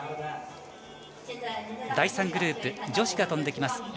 第３グループ女子が飛んできます。